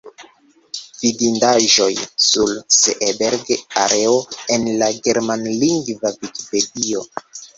Vidindaĵoj sur Seeberg-areo en la germanlingva Vikipedio.